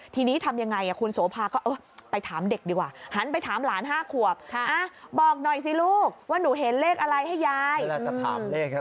เต้นทางจะถามเลขที่เนี่ยต้องถามเด็กนะ